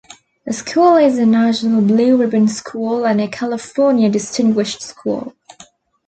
The school is a National Blue Ribbon School and a California Distinguished School.